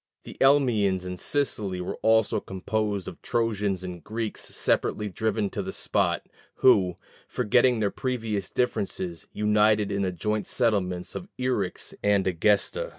The Elymians in Sicily also were composed of Trojans and Greeks separately driven to the spot, who, forgetting their previous differences, united in the joint settlements of Eryx and Egesta.